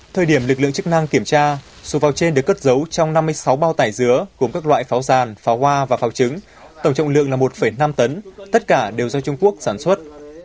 thời điểm lực lượng chức năng kiểm tra số pháo trên được cất giấu trong năm mươi sáu bao tải dứa gồm các loại pháo sàn pháo hoa và pháo trứng tổng trọng lượng là một năm tấn tất cả đều do trung quốc sản xuất